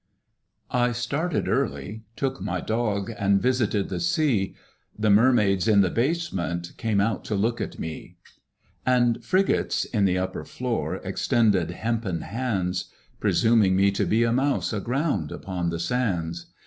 I started early, took my dog, And visited the sea; The mermaids in the basement Came out to look at me, And frigates in the upper floor Extended hempen hands, Presuming me to be a mouse Aground, upon the sands.